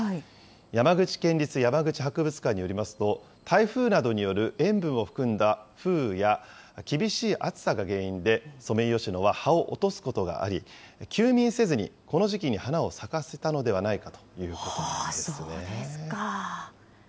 山口県立山口博物館によりますと、台風などによる塩分を含んだ風雨や、厳しい暑さが原因で、ソメイヨシノは葉を落とすことがあり、休眠せずに、この時期に花を咲かせたのではないかということなんですね。